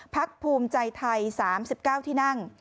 พักภูมิใจไทย๓๙ที่นั่ง